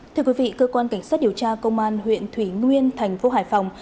thưa quý vị cơ quan cảnh sát điều tra công an huyện thủy nguyên thành phố hải phòng